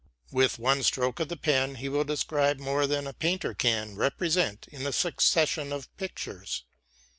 With one stroke of the pen he will describe more than a painter can represent in a succession of pictures.